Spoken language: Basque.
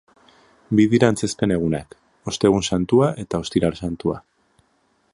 Bi dira antzezpen egunak, Ostegun Santua eta Ostiral Santua.